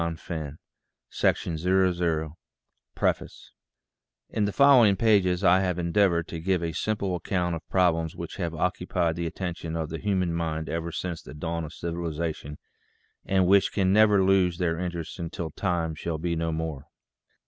VAN NOSTRAND COMPANY PREFACE IN the following pages I have endeavored to give a sim ple account of problems which have occupied the attention of the human mind ever since the dawn of civilization, and which can never lose their interest until time shall be no more.